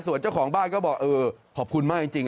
ส่วนเจ้าของบ้านก็บอกเออขอบคุณมากจริง